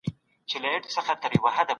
د جګړې پر مهال څه پېښیږي؟